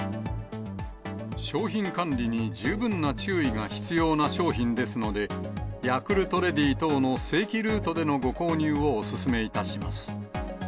商品管理に十分な注意が必要な商品ですので、ヤクルトレディ等の正規ルートでのご購入をお勧めいたします。